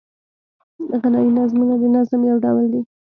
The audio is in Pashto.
غنايي نظمونه د نظم یو ډول دﺉ.